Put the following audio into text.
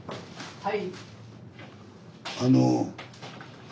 はい。